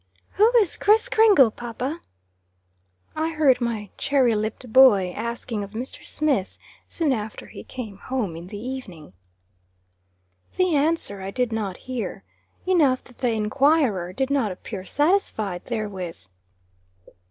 "Who is Kriss Kringle, papa?" I heard my cherry lipped boy asking of Mr. Smith, soon after he came home in the evening. The answer I did not hear. Enough that the enquirer did not appear satisfied therewith.